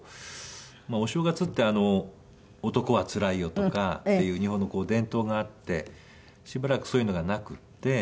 お正月って『男はつらいよ』とかっていう日本の伝統があってしばらくそういうのがなくって。